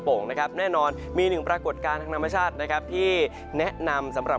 โ่งนะครับแน่นอนมีหนึ่งปรากฏการณ์ทางธรรมชาตินะครับที่แนะนำสำหรับ